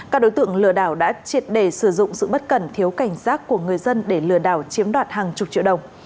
các đối tượng lừa đảo đã triệt đề sử dụng sự bất cần thiếu cảnh giác của người dân để lừa đảo chiếm đoạt hàng chục triệu đồng